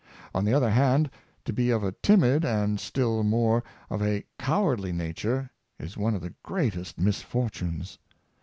On the other hand, to be of a timid and, still more, of a cow ardly nature, is one of the greatest misfortunes.